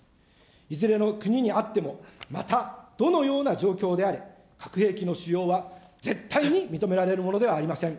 いずれの国にあっても、また、どのような状況であれ、核兵器の使用は絶対に認められるものではありません。